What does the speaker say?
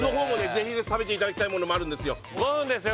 ぜひ食べていただきたいものもある５分ですよ